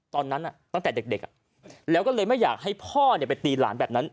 ตอนนั้นอ่ะตั้งแต่เด็กเด็กอ่ะแล้วก็เลยไม่อยากให้พ่อเนี่ยไปตีหลานแบบนั้น